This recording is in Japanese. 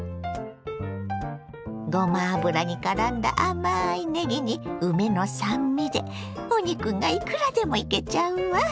ごま油にからんだ甘いねぎに梅の酸味でお肉がいくらでもいけちゃうわ。